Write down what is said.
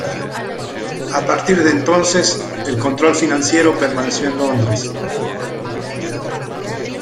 A partir de entonces, el control financiero permaneció en Londres.